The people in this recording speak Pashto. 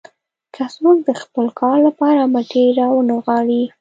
که څوک د خپل کار لپاره مټې راونه نغاړي.